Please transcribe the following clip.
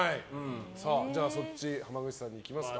じゃあ濱口さんにいきますか。